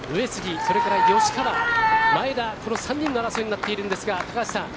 それから吉川、前田、この３人の争いになっているんですが高橋さん